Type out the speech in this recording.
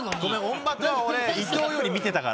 『オンバト』は俺伊藤より見てたから。